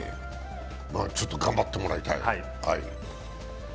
ちょっと頑張ってもらいたい。